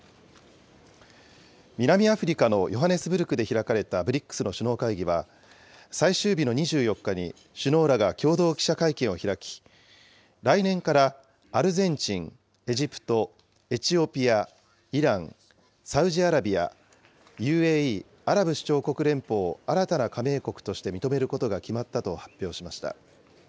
南アフリカのヨハネスブルクで開かれたＢＲＩＣＳの首脳会議は、最終日の２４日に首脳らが共同記者会見を開き、来年からアルゼンチン、エジプト、エチオピア、イラン、サウジアラビア、ＵＡＥ・アラブ首長国連邦を新たな加盟国として認めることが決まったと発表しました。